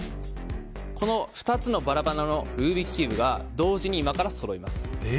この２つのバラバラのルービックキューブが同時に今からそろいます。